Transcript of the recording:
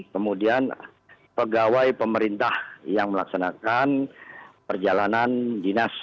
kemudian pegawai pemerintah yang melaksanakan perjalanan dinas